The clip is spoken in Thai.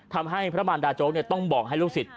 ทำให้พระมารดาโจ๊กต้องบอกให้ลูกศิษย